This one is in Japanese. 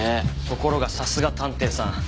ところがさすが探偵さん。